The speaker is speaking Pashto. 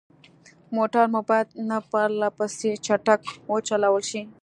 موټر مو باید نه پرلهپسې چټک وچلول شي.